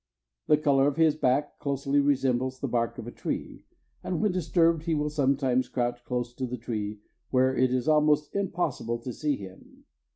The color of his back closely resembles the bark of a tree, and when disturbed he will sometimes crouch close to the tree where it is almost impossible to see him.